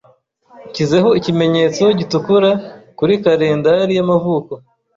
Nshyizeho ikimenyetso gitukura kuri kalendari y'amavuko.